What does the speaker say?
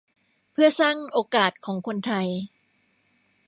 เพื่อสร้างโอกาสของคนไทย